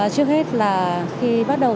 trước hết là khi bắt đầu